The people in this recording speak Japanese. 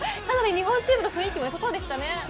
日本チームの雰囲気もよさそうですね。